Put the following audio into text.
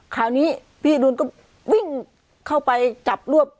คราวนี้พี่อดุลก็วิ่งเข้าไปจับรวบ